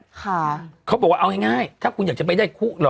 เขาบอกว่าเอาง่ายง่ายถ้าคุณอยากจะไปได้คู่เหรอ